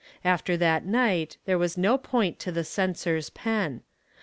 After that night there was no point to "The Censor's" pen.